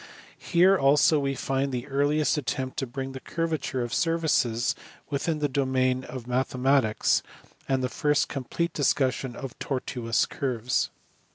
Here also we find the earliest attempt to bring the curvature of surfaces within the domain of mathematics, and the first complete discussion of tortuous curves.